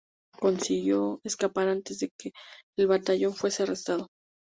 Consiguió escapar antes de que el batallón fuese arrestado.